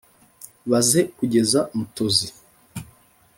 baze kugeza mutozi,